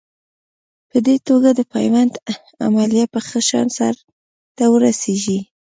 په دې توګه د پیوند عملیه په ښه شان سر ته ورسېږي.